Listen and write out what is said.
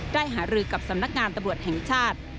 หารือกับสำนักงานตำรวจแห่งชาติ